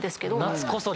夏こそ。